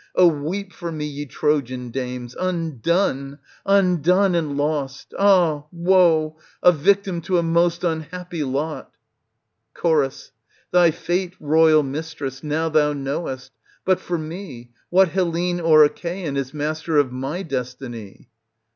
Oh weep for me, ye Trojan dames ! Undone ! undone and lost ! ah woe ! a victim to a most unhappy lot ! Cho. Thy fate, royal mistress, now thou knowest; but for me, what Hellene or Achaean is master of my destiny